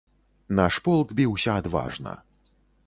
Наш полк біўся адважна.